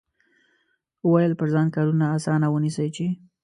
وویل پر ځان کارونه اسانه ونیسئ چې.